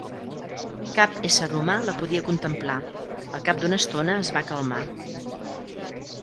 Cap ésser humà la podia contemplar. Al cap d'una estona es va calmar.